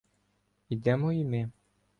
Ідемо і ми.